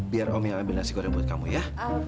biar om yang ambil nasi goreng buat kamu ya